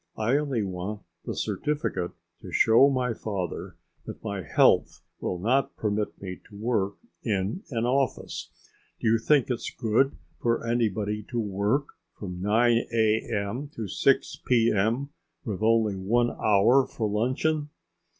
I only want the certificate to show my father that my health will not permit me to work in an office. Do you think it's good for anybody to work from 9 a.m. to 6 p.m., with only one hour for luncheon?"